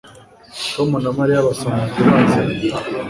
Tom na Mariya basanzwe baziranye